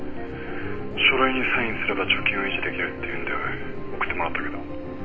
書類にサインすれば貯金を維持できるっていうんで送ってもらったけど。